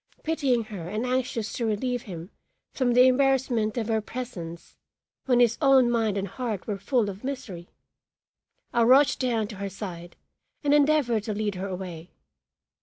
Pitying her and anxious to relieve him from the embarrassment of her presence when his own mind and heart were full of misery, I rushed down to her side and endeavored to lead her away.